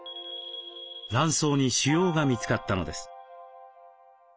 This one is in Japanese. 卵巣に腫瘍が見つかったのです。